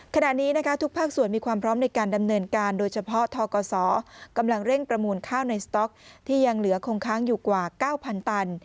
ขณะนี้นะคะทุกภาคส่วนมีความพร้อมในการดำเนินการโดยเฉพาะทกศกำลังเร่งประมูลข้าวในสต๊อกที่ยังเหลือคงค้างอยู่กว่า๙๐๐ตัน